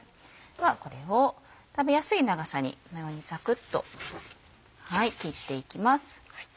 これを食べやすい長さにこのようにザクっと切っていきます。